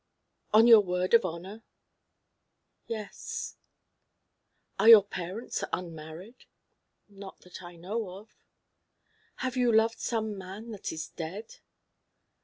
"On your word of honour?" "Yes." "Are your parents unmarried?" "Not that I know of." "Have you loved some man that is dead?"